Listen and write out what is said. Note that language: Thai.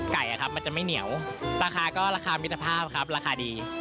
มันจะไม่เหนียวราคาก็ราคามิตรภาพครับราคาดี